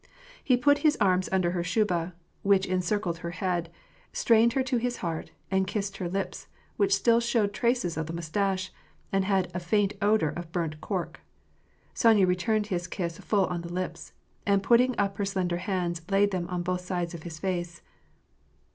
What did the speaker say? He put his arms under her shuba, which encircled her head, strained her to his heart, and kissed her lips, which still showed traces of the mustache, and had a faint odor of burnt cork. Sonya returned his kiss full on the lips, and putting up her slender hands laid them on both sides of his face.